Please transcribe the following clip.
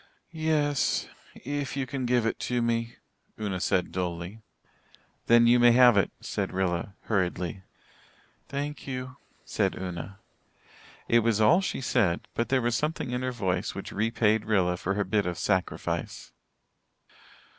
"Yes if you can give it to me," Una said dully. "Then you may have it," said Rilla hurriedly. "Thank you," said Una. It was all she said, but there was something in her voice which repaid Rilla for her bit of sacrifice.